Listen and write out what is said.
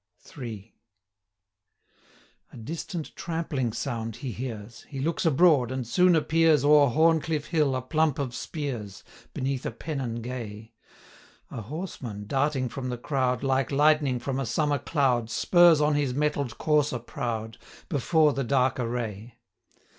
III. A distant trampling sound he hears; He looks abroad, and soon appears, O'er Horncliff hill a plump of spears, Beneath a pennon gay; 30 A horseman, darting from the crowd, Like lightning from a summer cloud, Spurs on his mettled courser proud, Before the dark array.